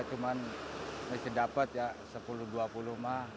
cuman masih dapat ya sepuluh dua puluh mah